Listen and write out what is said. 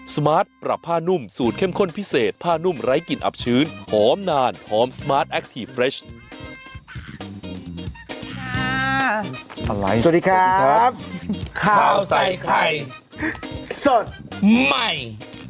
สวัสดีครับข้าวใส่ไข่สดใหม่